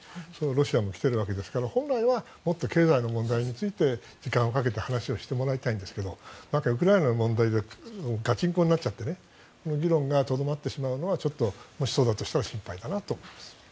ロシアも来ているわけですから本来はもっと経済の問題について時間をかけて話し合ってもらいたいんですがウクライナの問題でガチンコになっちゃって議論がとどまってしまうのはもしそうだとしたら心配だなと思います。